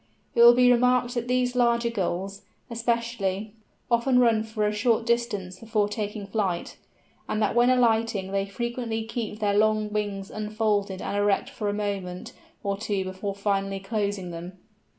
It will be remarked that these larger Gulls, especially, often run for a short distance before taking flight, and that when alighting they frequently keep their long wings unfolded and erect for a moment or two before finally closing them.